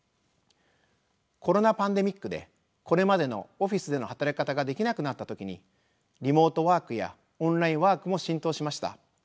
コロナ・パンデミックでこれまでのオフィスでの働き方ができなくなった時にリモートワークやオンラインワークも浸透しました。